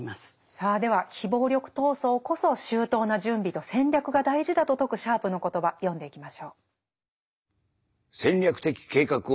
さあでは非暴力闘争こそ周到な準備と戦略が大事だと説くシャープの言葉読んでいきましょう。